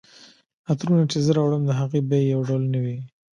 عطرونه چي زه راوړم د هغوی بیي یو ډول نه وي